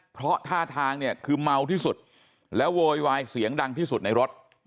เพราะท่าทางเนี่ยคือเมาที่สุดแล้วโวยวายเสียงดังที่สุดในรถ